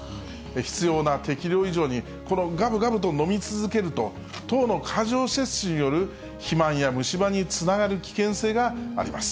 必要な適量以上にがぶがぶと飲み続けると、糖の過剰摂取による肥満や虫歯につながる危険性があります。